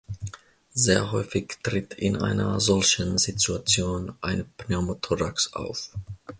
Sehr häufig tritt in einer solchen Situation ein Pneumothorax auf.